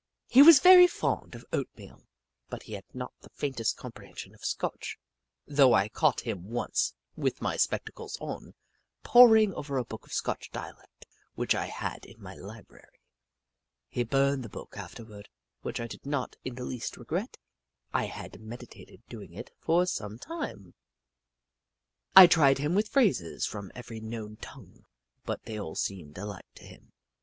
He was very fond of oatmeal, but he had not the faintest comprehension of Scotch, though I caught him once, with my spectacles on, poring over a book of Scotch dialect which I had in my library. He burned the book afterward, which I did not in the least regret — I had medi tated doinor it for some time. I tried him with phrases from every known tongue, but they all seemed alike to him.